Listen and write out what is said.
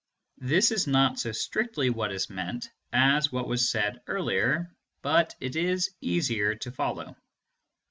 (This is not so strictly what is meant as what was said earlier; but it is easier to follow.)